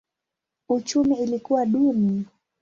Uchumi ilikuwa duni.